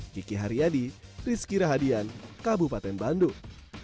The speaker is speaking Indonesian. kiki haryadi rizky rahadian kabupaten bandung